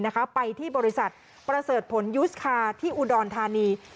ไปที่บริษัทประเสริฐผลยูสคาร์ที่อุดรธานี